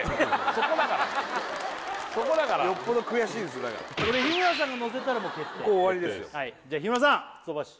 そこだからそこだからよっぽど悔しいんですだからそれ日村さんがのせたら決定終わりですよはいじゃあ日村さんくつとばし